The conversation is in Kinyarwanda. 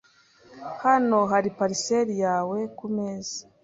Hano hari parcelle yawe kumeza.